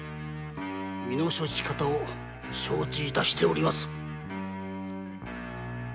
身の処し方を承知致しております。